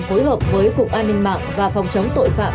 phối hợp với cục an ninh mạng và phòng chống tội phạm